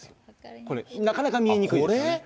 これ、なかなか見えにくいですよね。